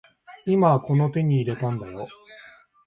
今この手に入れたんだよ